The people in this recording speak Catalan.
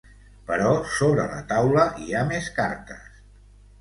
Però sobre la taula hi ha més cartes.